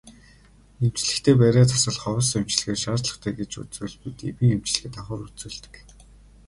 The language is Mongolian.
Эмчлэхдээ бариа засал ховс эмчилгээ шаардлагатай гэж үзвэл бид эмийн эмчилгээ давхар үзүүлдэг.